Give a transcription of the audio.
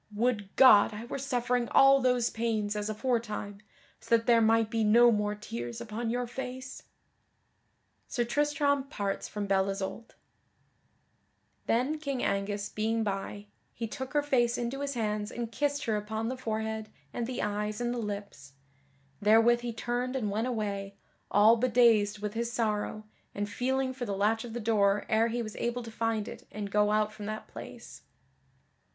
Would God I were suffering all those pangs as aforetime, so that there might be no more tears upon your face." [Sidenote: Sir Tristram parts from Belle Isoult] Then, King Angus being by, he took her face into his hands and kissed her upon the forehead, and the eyes, and the lips. Therewith he turned and went away, all bedazed with his sorrow, and feeling for the latch of the door ere he was able to find it and go out from that place.